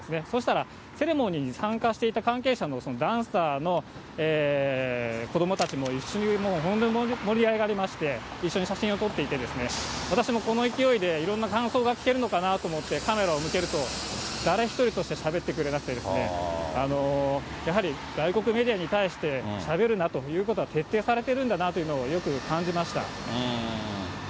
そうしたら、セレモニーに参加していた関係者のダンサーの子どもたちも一緒にもう、本当に盛り上がりまして、一緒に写真を撮っていて、私もこの勢いで、いろんな感想が聞けるのかなと思って、カメラを向けると、誰一人としてしゃべってくれなくて、やはり、外国メディアに対して、しゃべるなということが徹底されてるんだなというのをよく感じま